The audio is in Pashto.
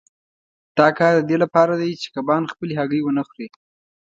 دا کار د دې لپاره دی چې کبان خپلې هګۍ ونه خوري.